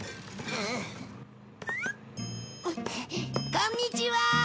こんにちは！